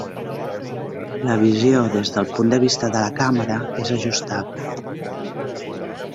La visió des del punt de vista de la càmera és ajustable.